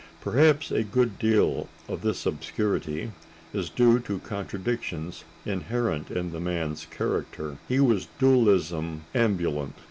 Perhaps a good deal of this obscurity is due to contradictions inherent in the man's character. He was dualism ambulant.